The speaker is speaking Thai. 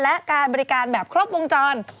และการบริการแบบครบวงจร